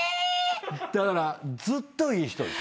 だからずっといい人です。